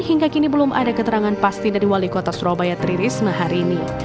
hingga kini belum ada keterangan pasti dari wali kota surabaya tri risma hari ini